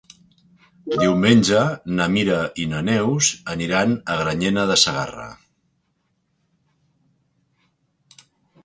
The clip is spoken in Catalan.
Diumenge na Mira i na Neus aniran a Granyena de Segarra.